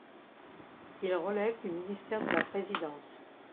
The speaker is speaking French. Il relève du Ministère de la Présidence.